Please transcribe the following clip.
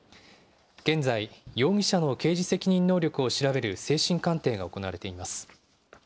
現在、容疑者の刑事責任能力を調べる精神鑑定が行われています。